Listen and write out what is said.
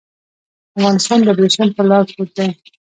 افغانستان د ابريښم پر لار پروت دی.